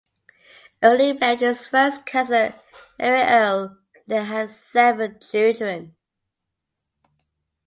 Earle married his first cousin Mary Earle and they had seven children.